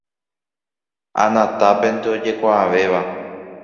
Anatápente ojekuaavéva.